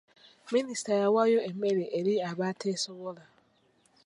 Minisita yawaayo emmere eri abateesobola.